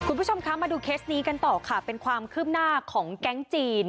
คุณผู้ชมคะมาดูเคสนี้กันต่อค่ะเป็นความคืบหน้าของแก๊งจีน